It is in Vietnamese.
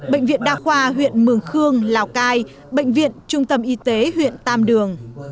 bệnh viện đa khoa huyện mường khương lào cai bệnh viện trung tâm y tế huyện tam đường